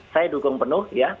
saya dukung penuh ya